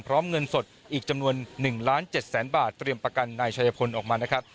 เงินสดอีกจำนวน๑ล้าน๗แสนบาทเตรียมประกันนายชายพลออกมานะครับ